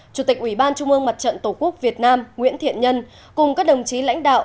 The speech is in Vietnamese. chủ tịch ủy ban trung ương mặt trận tổ quốc việt nam nguyễn thiện nhân cùng các đồng chí lãnh đạo